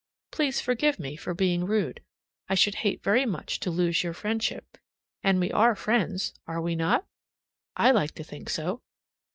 Please forgive me for being rude. I should hate very much to lose your friendship. And we are friends, are we not? I like to think so.